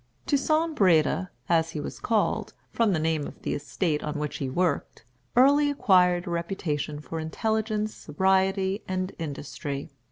Toussaint Breda, as he was called, from the name of the estate on which he worked, early acquired a reputation for intelligence, sobriety, and industry.